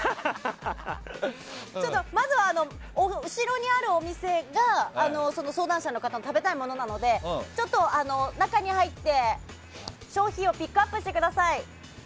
まずは後ろにあるお店が相談者の方の食べたいものなので中に入って商品をピックアップしてください。